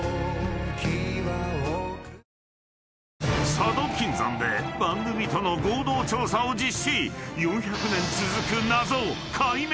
［佐渡金山で番組との合同調査を実施］